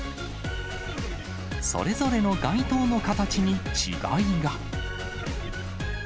それぞれの街灯の形に違いが。